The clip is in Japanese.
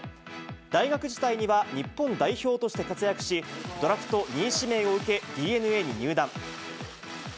大学時代には日本代表として活躍し、ドラフト２位指名を受け、ＤｅＮＡに入団。